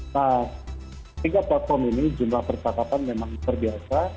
nah tiga platform ini jumlah percakapan memang terbiasa